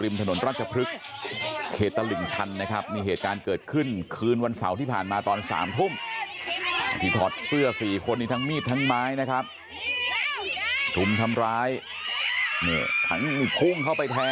มีผู้ชายคนหนึ่งเขาถูกกลุ่มนะครับ